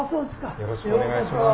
よろしくお願いします。